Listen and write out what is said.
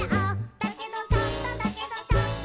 「だけどちょっとだけどちょっと」